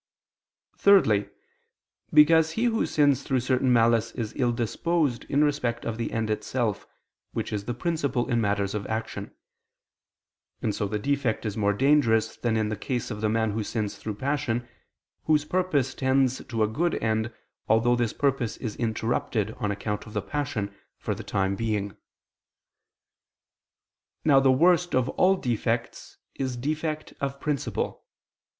Thirdly, because he who sins through certain malice is ill disposed in respect of the end itself, which is the principle in matters of action; and so the defect is more dangerous than in the case of the man who sins through passion, whose purpose tends to a good end, although this purpose is interrupted on account of the passion, for the time being. Now the worst of all defects is defect of principle.